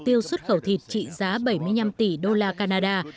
tiêu xuất khẩu thịt trị giá bảy mươi năm tỷ đô la canada